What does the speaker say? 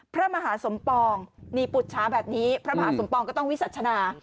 พระมหาสมปองนี่ปุชชาแบบนี้พระมหาสมปองก็ต้องวิสัชนา